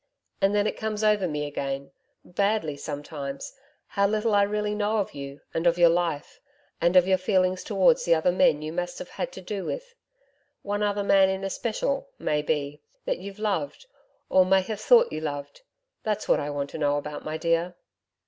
And then it comes over me again badly sometimes how little I really know of you, and of your life, and of your feelings towards the other men you must have had to do with one other man in especial, may be, that you've loved, or may have thought you loved. That's what I want to know about, my dear.'